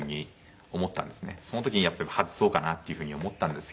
その時に外そうかなっていう風に思ったんですけど。